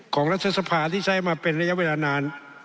รัฐสภาที่ใช้มาเป็นระยะเวลานาน